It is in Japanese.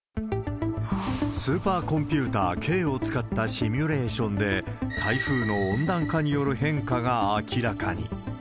スーパーコンピューター京を使ったシミュレーションで、台風の温暖化による変化が明らかに。